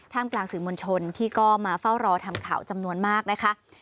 กลางสื่อมวลชนที่ก็มาเฝ้ารอทำข่าวจำนวนมากนะคะ